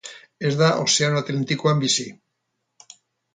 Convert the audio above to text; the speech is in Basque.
Ez da Ozeano Atlantikoan bizi.